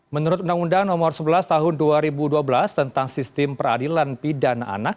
menurut undang undang nomor sebelas tahun dua ribu dua belas tentang sistem peradilan pidana anak